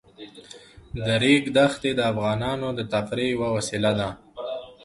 د ریګ دښتې د افغانانو د تفریح یوه وسیله ده.